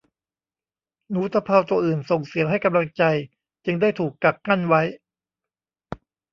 หนูตะเภาตัวอื่นส่งเสียงให้กำลังใจจึงได้ถูกกักกั้นไว้